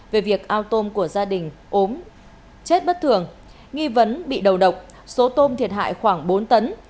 về việc ao tôm của gia đình ốm chết bất thường nghi vấn bị đầu độc số tôm thiệt hại khoảng bốn tấn